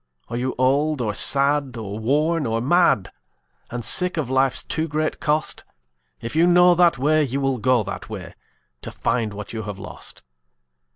Are you old or sad or worn or mad, And sick of life's too great cost? If you know that way, you will go that way, To find what you have lost.